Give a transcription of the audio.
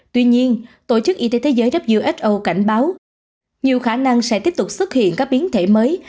tuy nhiên tổ chức y tế thế giới who cảnh báo nhiều khả năng sẽ tiếp tục xuất hiện các biến thể mới